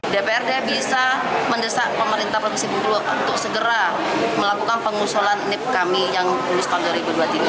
dprd bisa mendesak pemerintah provinsi bungkulu untuk segera melakukan pengusulan nip kami yang lulus tahun dua ribu dua puluh tiga